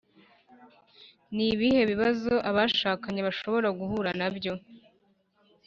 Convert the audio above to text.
Ni ibihe bibazo abashakanye bashobora guhura na byo